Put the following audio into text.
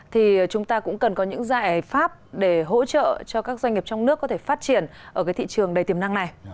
thì chúng ta cũng cần có những giải pháp để hỗ trợ cho các doanh nghiệp nước ngoài phát triển tại thị trường việt nam